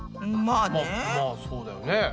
まあそうだよね。